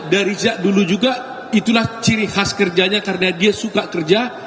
dari dulu juga itulah ciri khas kerjanya karena dia suka kerja